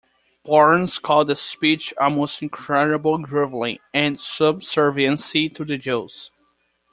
Barnes called the speech "almost incredible grovelling" and "subserviency" to the Jews.